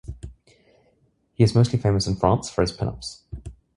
He is mostly famous in France for his pin ups.